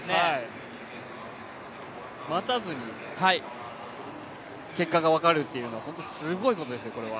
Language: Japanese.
待たずに結果が分かるというのは本当にすごいことですよ、これは。